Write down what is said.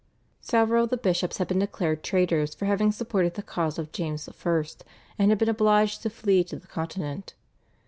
Several of the bishops had been declared traitors for having supported the cause of James I., and had been obliged to flee to the Continent.